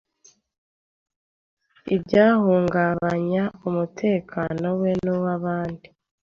ibyahungabanya umutekano we n’uw’abandi.